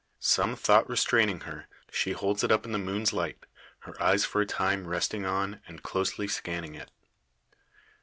Some thought restraining her, she holds it up in the moon's light, her eyes for a time resting on, and closely scanning it.